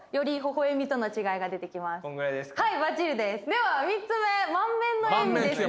では３つ目満面の笑みですね。